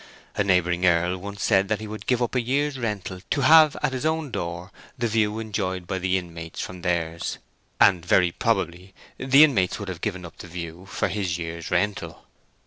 A neighbouring earl once said that he would give up a year's rental to have at his own door the view enjoyed by the inmates from theirs—and very probably the inmates would have given up the view for his year's rental.